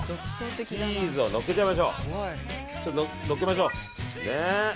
チーズを乗っけちゃいましょう。